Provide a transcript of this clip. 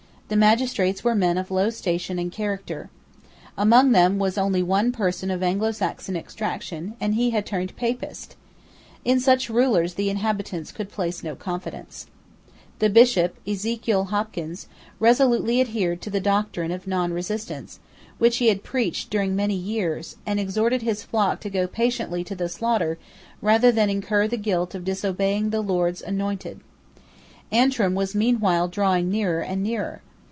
The magistrates were men of low station and character. Among them was only one person of Anglosaxon extraction; and he had turned Papist. In such rulers the inhabitants could place no confidence, The Bishop, Ezekiel Hopkins, resolutely adhered to the doctrine of nonresistance, which he had preached during many years, and exhorted his flock to go patiently to the slaughter rather than incur the guilt of disobeying the Lord's Anointed, Antrim was meanwhile drawing nearer and nearer.